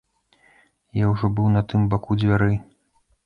Я ўжо быў на тым баку дзвярэй.